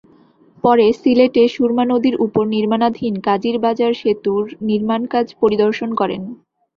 পরে সিলেটে সুরমা নদীর ওপর নির্মাণাধীন কাজিরবাজার সেতুর নির্মাণকাজ পরিদর্শন করেন।